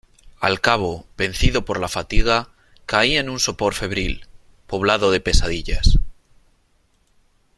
al cabo , vencido por la fatiga , caí en un sopor febril , poblado de pesadillas .